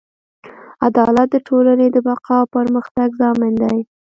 عدالت د ټولنې د بقا او پرمختګ ضامن دی.